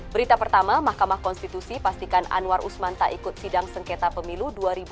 berita pertama mahkamah konstitusi pastikan anwar usman tak ikut sidang sengketa pemilu dua ribu dua puluh